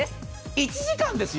１時間ですよ。